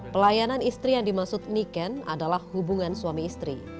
pelayanan istri yang dimaksud niken adalah hubungan suami istri